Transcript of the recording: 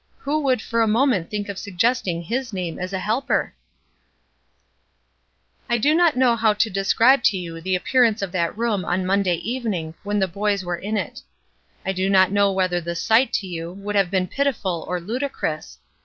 Who would for a moment think of suggesting his name as a helper? I do not know how to describe to you the appearance of that room on Monday evening when the boys were in it. I do not know whether the sight to you would have been pitiful or ludicrous.